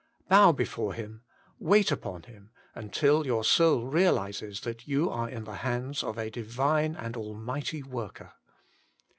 Bow before Him, wait upon Him, until your soul realises that you are in the hands of a divine and almighty worker.